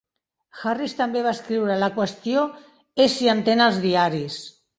Harris també va escriure: La qüestió és si entén els diaris.